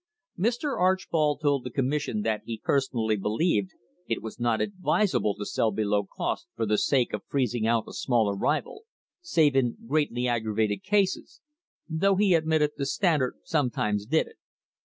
Mr. Archbold told the com mission that he personally believed it was not advisable to sell below cost for the sake of freezing out a smaller rival, save in "greatly aggravated cases," though he admitted the Standard sometimes did it.